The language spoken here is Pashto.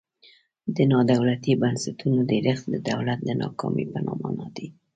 د نا دولتي بنسټونو ډیرښت د دولت د ناکامۍ په مانا دی.